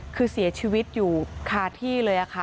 คือเสียชีวิตอยู่คาที่เลยค่ะ